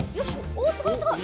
おすごいすごい！